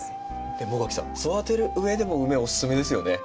茂垣さん育てるうえでもウメおすすめですよね。